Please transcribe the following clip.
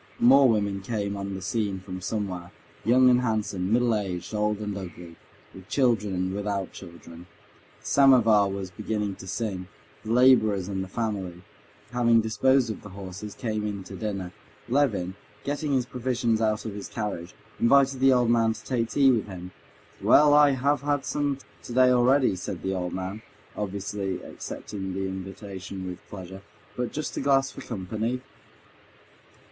More women came on the scene from somewhere, young and handsome, middle aged, old and ugly, with children and without children. The samovar was beginning to sing; the laborers and the family, having disposed of the horses, came in to dinner. Levin, getting his provisions out of his carriage, invited the old man to take tea with him. "Well, I have had some today already," said the old man, obviously accepting the invitation with pleasure. "But just a glass for company."